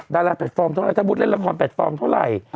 ดาราแพลตฟอร์มเท่าไรถ้ามุติเล่นละครแพลตฟอร์มเท่าไหร่